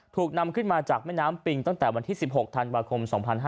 ถูกนำขึ้นมาจากแม่น้ำปิงตั้งแต่วันที่๑๖ธันวาคม๒๕๕๙